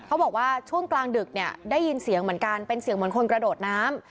บอกว่าช่วงกลางดึกเนี่ยได้ยินเสียงเหมือนกันเป็นเสียงเหมือนคนกระโดดน้ำ